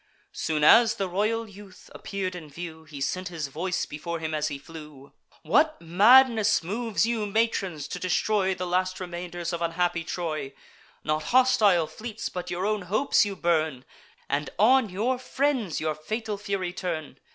Soon as the royal youth appear'd in view, He sent his voice before him as he flew: "What madness moves you, matrons, to destroy The last remainders of unhappy Troy! Not hostile fleets, but your own hopes, you burn, And on your friends your fatal fury turn.